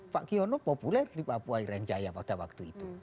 pak kiono populer di papua irenjaya pada waktu itu